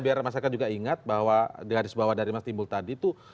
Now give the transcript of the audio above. biar masyarakat juga ingat bahwa di garis bawah dari mas timbul tadi itu